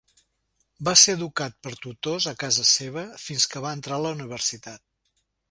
Va ser educat per tutors a casa seva fins que va entrar a la universitat.